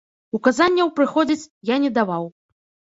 Указанняў прыходзіць я не даваў.